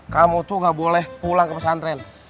kamu tuh gak boleh pulang ke pesantren